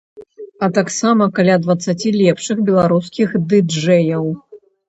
А таксама каля дваццаці лепшых беларускіх ды-джэяў.